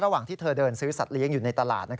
ที่เธอเดินซื้อสัตว์เลี้ยงอยู่ในตลาด